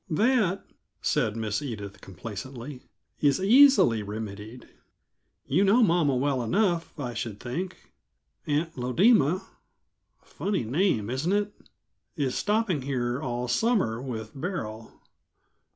"That," said Miss Edith complacently, "is easily remedied. You know mama well enough, I should think. Aunt Lodema funny name, isn't it? is stopping here all summer, with Beryl.